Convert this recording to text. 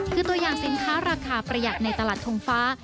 คือตัวอย่างสินค้าราคาประหยัดในตลาดทงฟ้า